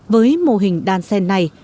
với mô hình đàn xe này